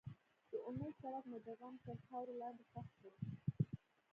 د امید څرک مې د غم تر خاورو لاندې ښخ شو.